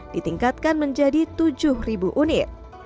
ditingkatkan menjadi tujuh unit